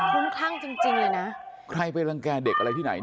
นี่คือในปราวุฒินะครับเอออโยยวายพูดออกมาบอกนี่ถ้าใครร่องแก้เด็กนี่จะตายแน่